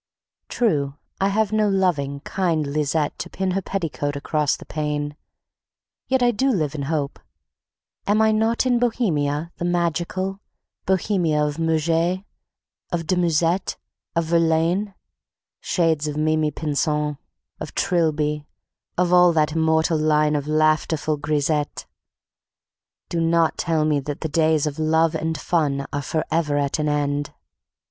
True, I have no loving, kind Lisette to pin her petticoat across the pane, yet I do live in hope. Am I not in Bohemia the Magical, Bohemia of Murger, of de Musset, of Verlaine? Shades of Mimi Pinson, of Trilby, of all that immortal line of laughterful grisettes, do not tell me that the days of love and fun are forever at an end!